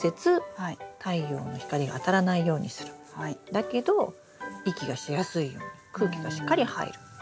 だけど息がしやすいように空気がしっかり入るということ。